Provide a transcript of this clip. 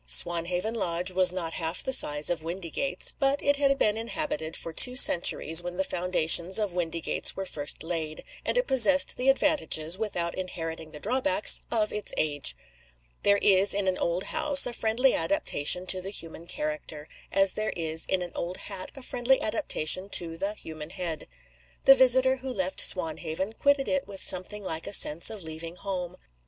Swanhaven Lodge was not half the size of Windygates; but it had been inhabited for two centuries when the foundations of Windygates were first laid and it possessed the advantages, without inheriting the drawbacks, of its age. There is in an old house a friendly adaptation to the human character, as there is in an old hat a friendly adaptation to the human head. The visitor who left Swanhaven quitted it with something like a sense of leaving home.